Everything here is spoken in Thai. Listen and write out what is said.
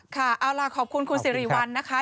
ค่ะเอาล่ะขอบคุณคุณสิริวัลนะคะ